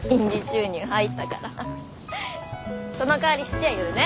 そのかわり質屋寄るね。